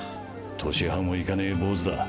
年端も行かねえ坊ずだ。